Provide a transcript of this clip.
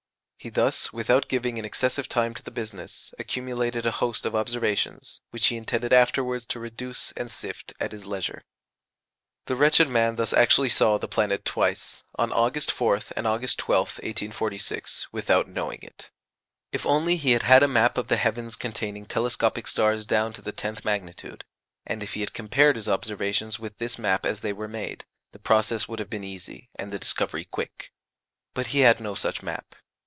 He thus, without giving an excessive time to the business, accumulated a host of observations, which he intended afterwards to reduce and sift at his leisure. The wretched man thus actually saw the planet twice on August 4th and August 12th, 1846 without knowing it. If only he had had a map of the heavens containing telescopic stars down to the tenth magnitude, and if he had compared his observations with this map as they were made, the process would have been easy, and the discovery quick. But he had no such map.